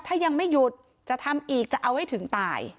ถ้ายังไม่หยุดจะทำอีกจะเอาให้ถึงตาย